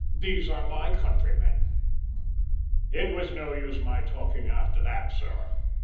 `These are my countrymen!' "It was no use my talking after that, sir.